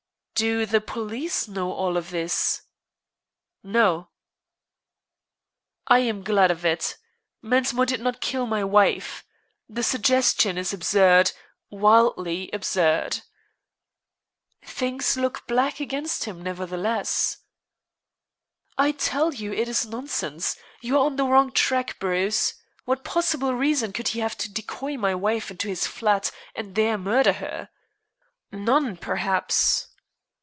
"Do the police know all this?" "No." "I am glad of it. Mensmore did not kill my wife. The suggestion is absurd wildly absurd." "Things look black against him, nevertheless." "I tell you it is nonsense. You are on the wrong track, Bruce. What possible reason could he have had to decoy my wife to his flat and there murder her?" "None, perhaps."